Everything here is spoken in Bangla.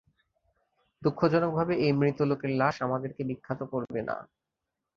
দুঃখজনকভাবে, এই মৃত লোকের লাশ আমাদেরকে বিখ্যাত করবে না!